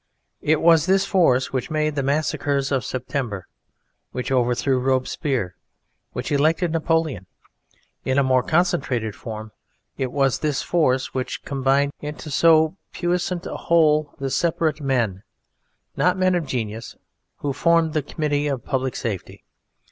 It was this force which made the massacres of September, which overthrew Robespierre, which elected Napoleon. In a more concentrated form, it was this force which combined into so puissant a whole the separate men not men of genius who formed the Committee of Public Safety.